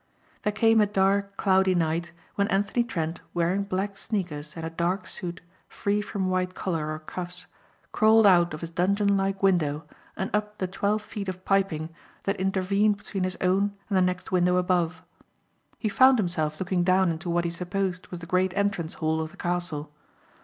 There came a dark cloudy night when Anthony Trent wearing black sneakers and a dark suit free from white collar or cuffs crawled out of his dungeon like window and up the twelve feet of piping that intervened between his own and the next window above. He found himself looking down into what he supposed was the great entrance hall of the castle.